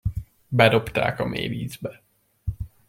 Bedobták a mélyvízbe.